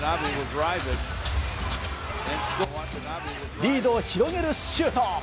リードを広げるシュート。